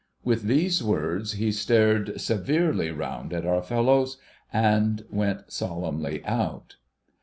With these words, he stared severely round at our fellows, and went solemnly out.